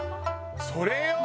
それよ！